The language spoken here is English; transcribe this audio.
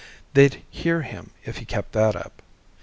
They'd hear him if he kept that up.